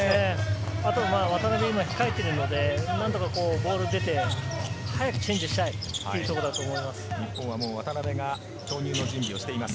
あと渡邊、控えているのでボールが出て、早くチェンジしたいというところだと思います。